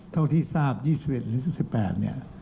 เท่าที่ทราบ๒๑หรือ๑๘